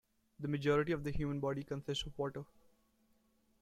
The majority of the human body consists of water.